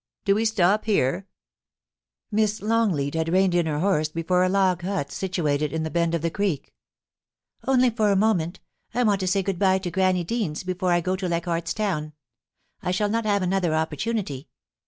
Do we stop here T Miss Longleat had reined in her horse before a log hut situated in the bend of the creek. * Only for a moment I want to say good bye to Grannie Deans before I go to Leichardt's Town. I shall not have an other opportunity.